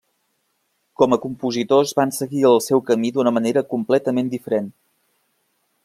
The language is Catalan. Com a compositors van seguir el seu camí d'una manera completament diferent.